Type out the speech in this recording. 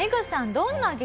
どんな激